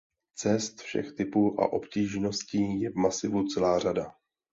Cest všech typů a obtížností je v masivu celá řada.